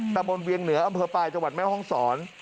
ตะบนเวียงเหนืออำเภอปลายจังหวัดแม่ห้องศร